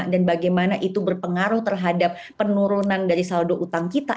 dan bagaimana itu berpengaruh terhadap penurunan dari saldo utang kita